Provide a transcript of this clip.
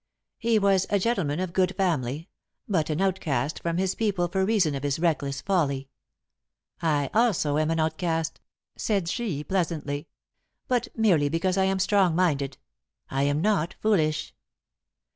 He was a gentleman of good family, but an outcast from his people by reason of his reckless folly. I also am an outcast," said she pleasantly, "but merely because I am strong minded. I am not foolish."